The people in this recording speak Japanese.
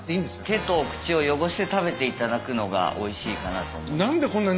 手と口を汚して食べていただくのがおいしいかなと。